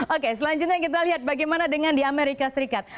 oke selanjutnya kita lihat bagaimana dengan di amerika serikat